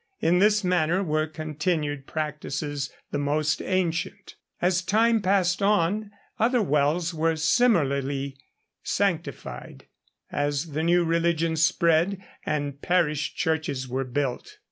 In this manner were continued practices the most ancient. As time passed on, other wells were similarly sanctified, as the new religion spread and parish churches were built.